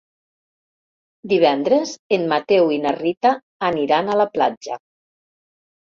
Divendres en Mateu i na Rita aniran a la platja.